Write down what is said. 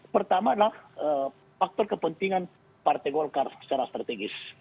pertama adalah faktor kepentingan partai golkar secara strategis